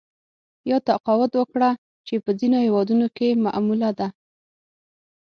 یا تقاعد ورکړه چې په ځینو هېوادونو کې معموله ده